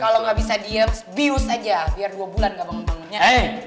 kalau nggak bisa diem bius aja biar dua bulan nggak bangun bangunnya